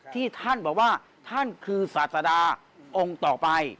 ที่ท่านบอกว่าท่านคือศาสดาองค์ต่อไป